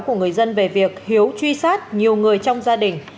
của người dân về việc hiếu truy sát nhiều người trong gia đình